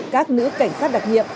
các nữ cảnh sát đặc nhiệm